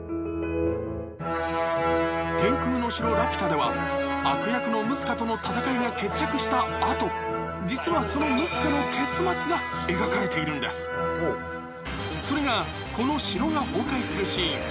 では悪役のムスカとの戦いが決着した後実はそのムスカの結末が描かれているんですそれがこの城が崩壊するシーン